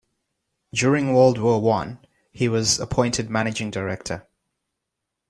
During World War One he was appointed managing director.